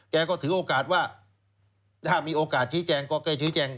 แกก็ถือโอกาสว่าถ้ามีโอกาสชี้แจงก็แค่ชี้แจง